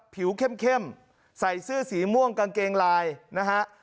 ผิวเข้มใส่เสื้อสีม่วงกางเกงลายนะฮะ